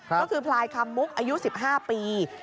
ก็คือพลายคำมุกอายุ๑๕ปี